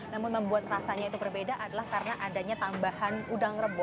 namun membuat rasanya itu berbeda adalah karena adanya tambahan udang rebo